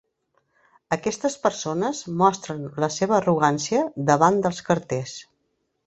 Aquestes persones mostren la seva arrogància davant dels carters.